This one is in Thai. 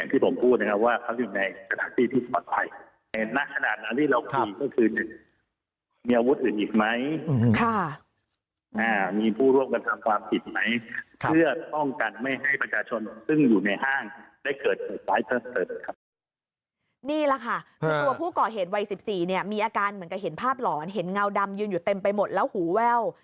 นี่แหละค่ะคือตัวผู้ก่อเหตุวัย๑๔เนี่ยมีอาการเหมือนกับเห็นภาพหลอนเห็นเงาดำยืนอยู่เต็มไปหมดแล้วหูแว่ว